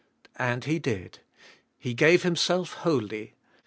And he did. He g ave himself wholly.